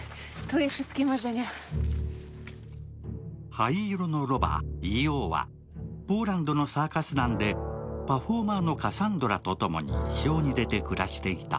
灰色のロバ、ＥＯはポーランドのサーカス団でパフォーマーのカサンドラとともにショーに出て暮らしていた。